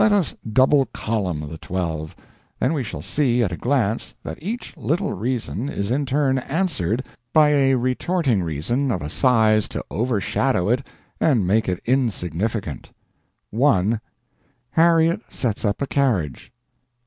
Let us double column the twelve; then we shall see at a glance that each little reason is in turn answered by a retorting reason of a size to overshadow it and make it insignificant: 1. Harriet sets up carriage.